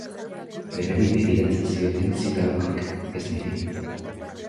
Berari begiratzen zioten zitaukek, ez niri.